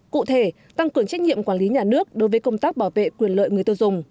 cụ thể tăng cường trách nhiệm quản lý nhà nước đối với công tác bảo vệ quyền lợi người tiêu dùng